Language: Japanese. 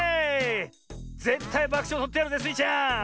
ぜったいばくしょうをとってやるぜスイちゃん！